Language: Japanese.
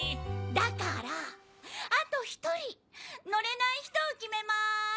だからあと１人乗れない人を決めます！